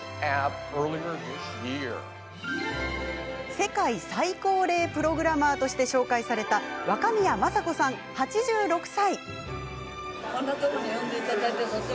世界最高齢プログラマーとして紹介された若宮正子さん、８６歳。